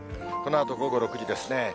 このあと午後６時ですね。